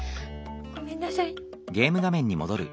ごめんなさい。